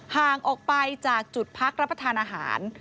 ห่างออกไปจากจุดพักรับประทานอาหาร